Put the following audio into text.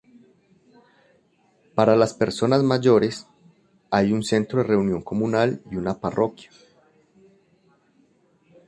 Para las personas mayores, hay un centro de reunión comunal y una parroquia.